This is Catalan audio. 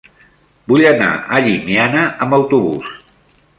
Vull anar a Llimiana amb autobús.